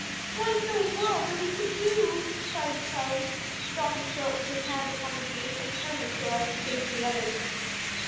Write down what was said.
"What in the world are we to do!" cried Charlie, stopping short with his hand upon the gate and turning so as to face the others.